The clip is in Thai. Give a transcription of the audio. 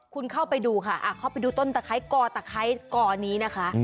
คุณเข้าไปดูค่ะเข้าไปดูต้นตะไคร้กอตะไคร้กอนี้นะคะ